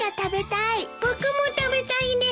僕も食べたいです。